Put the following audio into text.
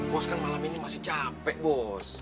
bos kan malam ini masih capek bos